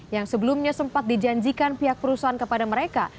yang sebelumnya sempat dijanjikan pihak perusahaan kepada mereka